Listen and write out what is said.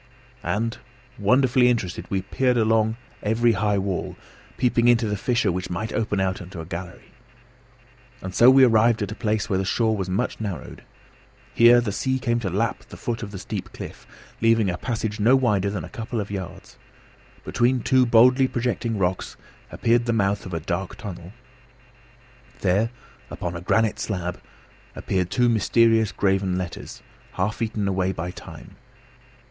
And, wonderfully interested, we peered all along the high wall, peeping into every fissure which might open out into a gallery. And so we arrived at a place where the shore was much narrowed. Here the sea came to lap the foot of the steep cliff, leaving a passage no wider than a couple of yards. Between two boldly projecting rocks appeared the mouth of a dark tunnel. There, upon a granite slab, appeared two mysterious graven letters, half eaten away by time.